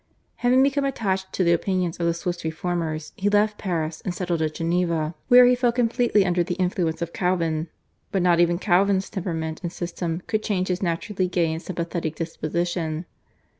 Having become attached to the opinions of the Swiss Reformers he left Paris and settled at Geneva, where he fell completely under the influence of Calvin, but not even Calvin's temperament and system could change his naturally gay and sympathetic disposition.